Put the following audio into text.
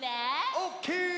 オッケー！